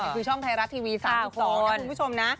คือช่องไทยรัฐทีวี๓๒นะคุณผู้ชมนะ